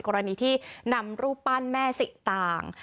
กรณีที่นำรูปปั้นแม่สิตาง